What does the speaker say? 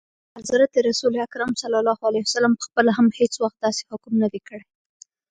حضرت رسول اکرم ص پخپله هم هیڅ وخت داسي حکم نه دی کړی.